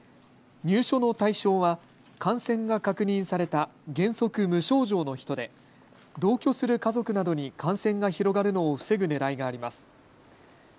入所の対象は感染が確認された原則無症状の人で同居する家族などに感染が広がるのを防ぐねらいがあります。